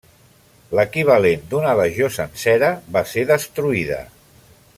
L'equivalent d'una legió sencera va ser destruïda.